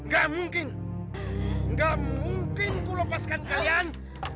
gak mungkin nggak mungkin ku lepaskan kalian